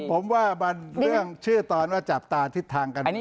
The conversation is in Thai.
ผมว่ามันเรื่องชื่อตอนว่าจับตาทิศทางกัน